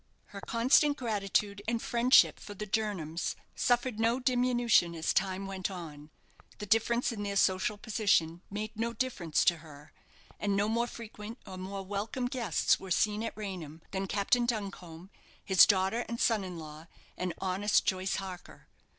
Her constant gratitude and friendship for the Jernams suffered no diminution as time went on. The difference in their social position made no difference to her; and no more frequent or more welcome guests were seen at Raynham than Captain Duncombe, his daughter and son in law, and honest Joyce Harker.